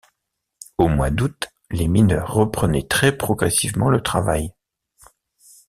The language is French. Au mois d'août les mineurs reprenaient très progressivement le travail.